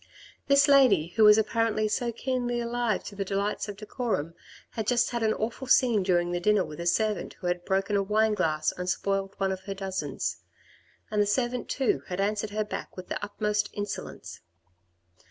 This lady, who was apparently so keenly alive to the delights of decorum, had just had an awful scene during the dinner with a servant who had broken a wine glass and spoilt one of her dozens ; and the servant too had answered her back with the utmost insolence.